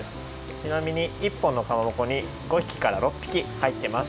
ちなみに１本のかまぼこに５ひきから６ぴき入ってます。